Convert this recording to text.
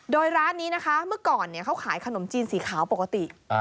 โดยร้านนี้นะคะเมื่อก่อนเขาขายขนมจีนสีขาวปกติ